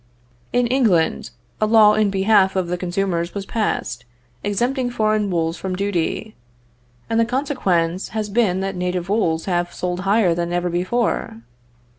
In England a law in behalf of the consumers was passed, exempting foreign wools from duty, and the consequence has been that native wools have sold higher than ever before.